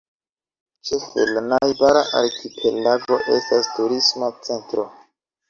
Ĉefe la najbara arkipelago estas turisma centro.